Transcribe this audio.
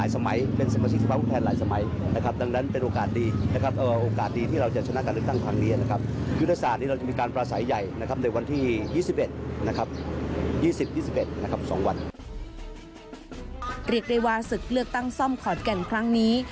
เรียกได้ว่าศึกเลือกตั้งซ่อมขอนแก่นครั้งนี้